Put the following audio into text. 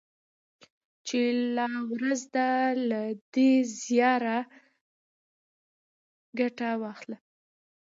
چي لا ورځ ده له دې زياره ګټه واخله